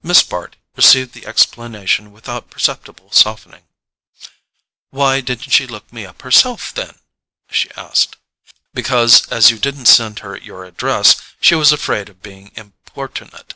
Miss Bart received this explanation without perceptible softening. "Why didn't she look me up herself, then?" she asked. "Because, as you didn't send her your address, she was afraid of being importunate."